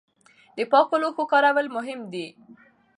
د پاکو لوښو کارول مهم دي.